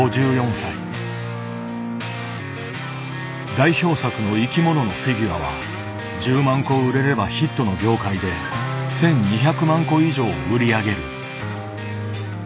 代表作の「いきもの」のフィギュアは１０万個売れればヒットの業界で１，２００万個以上売り上げる。